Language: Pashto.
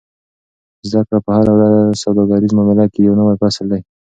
زده کړه په هره سوداګریزه معامله کې یو نوی فصل دی.